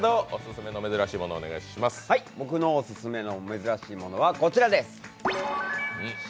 僕のオススメの珍しいものはこちらでございます。